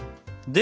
で？